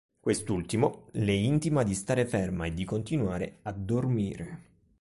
Quest'ultimo le intima di stare ferma e di continuare a dormire.